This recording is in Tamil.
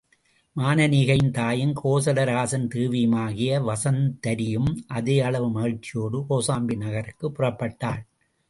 மானனீகையின் தாயும் கோசலராசன் தேவியுமாகிய வசுந்தரியும் அதே அளவு மகிழ்ச்சியோடு கோசாம்பி நகருக்குப் புறப்பட்டாள்.